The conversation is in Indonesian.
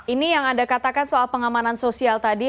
ini yang anda katakan soal pengamanan sosial tadi